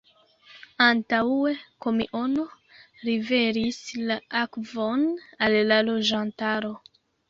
Antaŭe kamiono liveris la akvon al la loĝantaro.